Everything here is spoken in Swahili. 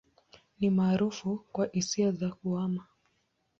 Ni maarufu kwa hisia za kuhama.